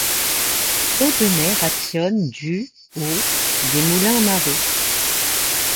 L'eau de mer actionne du au des moulins à marée.